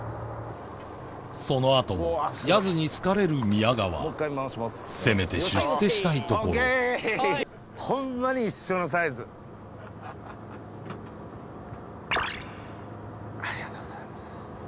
そのあともヤズに好かれる宮川せめて出世したいところありがとうございます。